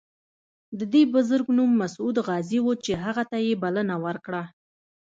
د دې بزرګ نوم مسعود غازي و چې هغه ته یې بلنه ورکړه.